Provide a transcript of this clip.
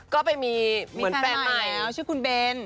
ก็ไปมีเหมือนแฟนใหม่มีแฟนใหม่แล้วชื่อคุณเบน